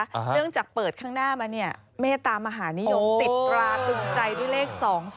เนื่องจากเปิดข้างหน้ามาเนี่ยเมตตามหานิยมติดตราตึงใจด้วยเลข๒๒